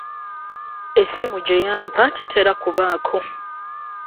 Essimu gye yampa tetera kubaako.